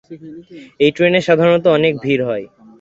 এই ট্রেনে সাধারণত অনেক ভীড় হয়।